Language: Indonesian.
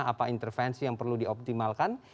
apa intervensi yang perlu dioptimalkan